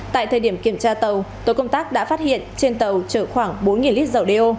tại thời điểm kiểm tra tàu tổ công tác đã phát hiện trên tàu chở khoảng bốn lít dầu đeo